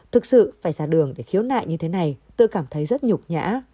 thực sự phải ra đường để khiếu nại như thế này tôi cảm thấy rất nhục nhã